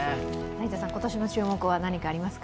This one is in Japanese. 今年の注目は何かありますか？